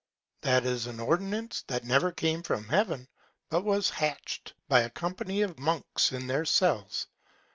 That is an Ordinance that never came from Heaven, but was hatch'd by a Company of Monks in their Cells.